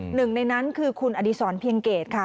หนึ่งในนั้นคือคุณอดีศรเพียงเกตค่ะ